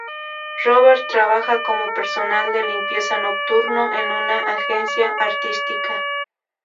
Robert trabaja como personal de limpieza nocturno en una agencia artística.